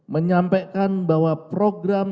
menyampaikan bahwa program